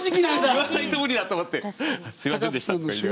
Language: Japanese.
言わないと無理だと思って「すいませんでした」とか言いながら。